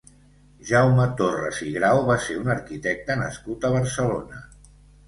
Jaume Torres i Grau va ser un arquitecte nascut a Barcelona.